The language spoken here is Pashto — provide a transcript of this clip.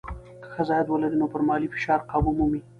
که ښځه عاید ولري، نو پر مالي فشار قابو مومي.